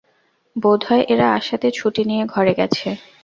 বোধ হয় এঁরা আসাতে ছুটি নিয়ে ঘরে গেছে।